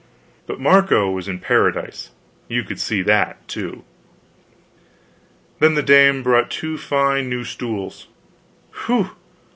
But Marco was in Paradise; you could see that, too. Then the dame brought two fine new stools whew!